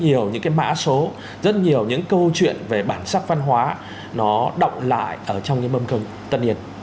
nhiều những cái mã số rất nhiều những câu chuyện về bản sắc văn hóa nó động lại ở trong cái mâm cưng tật nhiệt